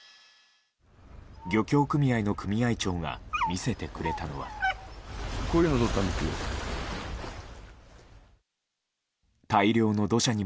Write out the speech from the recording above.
漁協組合の組合長が見せてくれたのは。